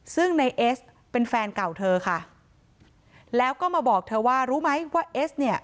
ซึ่งในเอสเป็นแฟนเก่าเธอค่ะแล้วก็มาบอกเธอว่ารู้ไหมว่าเอสเนี่ย